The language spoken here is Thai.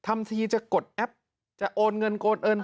อ่ะทำทีจะกดแอปจะโอนเงินโกรธเอิ่น